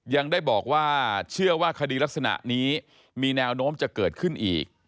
ยังได้บอกว่าเชื่อว่าคดีลักษณะนี้มีแนวโน้มจะเกิดขึ้นอีก